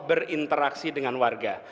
berinteraksi dengan warga